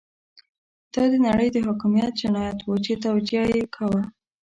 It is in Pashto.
دا د نړۍ د حاکميت جنايت وو چې توجیه يې کاوه.